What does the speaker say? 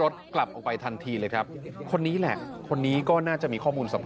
จังหวะนี้คุณผู้ชมฟังด้วยกัน